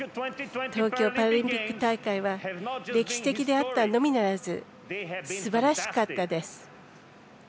東京パラリンピック大会は歴史的であったのみならずすばらしかったです。